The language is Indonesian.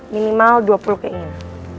minimal dua puluh keinginan